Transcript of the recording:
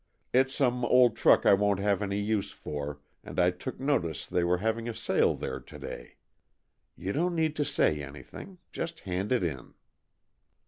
It's some old truck I won't have any use for, and I took notice they were having a sale there today. You don't need to say anything. Just hand it in."